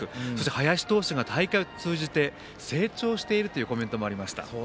林投手が大会を通じて成長しているというコメントもありました。